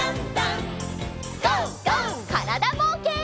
からだぼうけん。